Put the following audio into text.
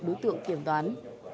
đối tượng kiểm toán